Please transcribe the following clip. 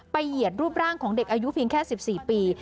เหยียดรูปร่างของเด็กอายุเพียงแค่๑๔ปี